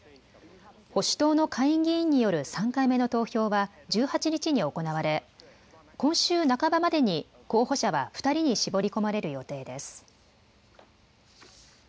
保守党の下院議員による３回目の投票は１８日に行われ、今週半ばまでに候補者は２人に絞り込まれる予定です。